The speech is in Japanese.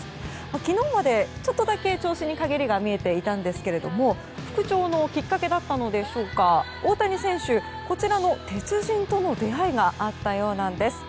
昨日まで、ちょっとだけ調子に陰りが見えていたんですけども復調のきっかけだったのでしょうか大谷選手、こちらの鉄人との出会いがあったようなんです。